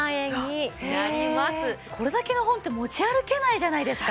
これだけの本って持ち歩けないじゃないですか。